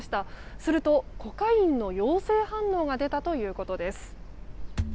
すると、コカインの陽性反応が出たということです。